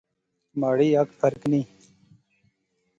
مہاڑی اکھ پھرکنی